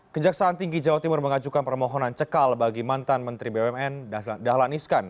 kejaksaan tinggi jawa timur mengajukan permohonan cekal bagi mantan menteri bumn dahlan iskan